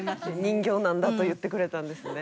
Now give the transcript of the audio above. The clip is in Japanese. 人形なんだと言ってくれたんですね。